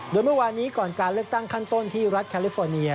โดยเมื่อวานนี้ก่อนการเลือกตั้งขั้นต้นที่รัฐแคลิฟอร์เนีย